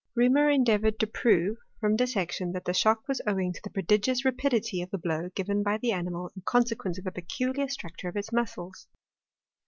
Reaumur endeavoured to prove, from dissection, that the shock was owing to the prodigious rapidity of the blow given by the animal in consequence of a peculiar structure of its muscles.